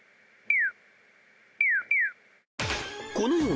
［このような］